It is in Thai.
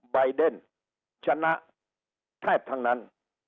ใบเดนชนะแทบทั้งนั้น